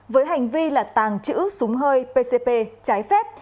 với hành vi là tàng trữ súng hơi pcp trái phép